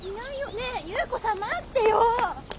ねえ優子さん待ってよ。